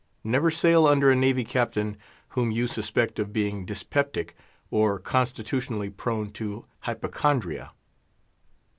Never sail under a navy captain whom you suspect of being dyspeptic, or constitutionally prone to hypochondria.